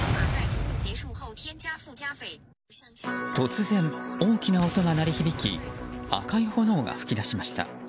突然、大きな音が鳴り響き赤い炎が噴き出しました。